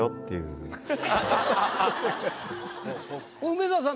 梅沢さん